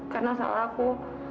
karena salah aku